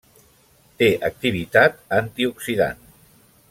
Té activitat antioxidant.